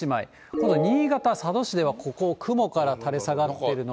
今度、新潟・佐渡市では、ここ、雲から垂れ下がっているのは。